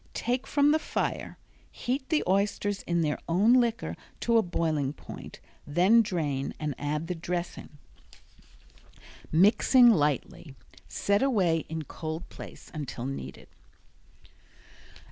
Take from the fire. Heat the oysters in their own liquor to a boiling point then drain and add the dressing, mixing lightly. Set away in cold place until needed.